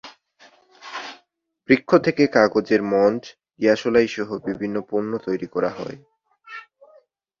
বৃক্ষ থেকে কাগজের মন্ড, দিয়াশলাইসহ বিভিন্ন পণ্য তৈরি হয়।